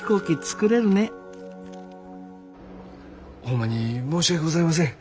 ホンマに申し訳ございません。